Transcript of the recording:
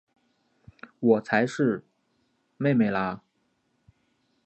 我才是姊姊啦！